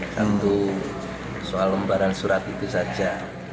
tentu soal lembaran surat itu saja